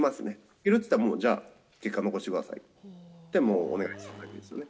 いけるって言ったら、もうじゃあ、結果残してくださいって、お願いするだけですよね。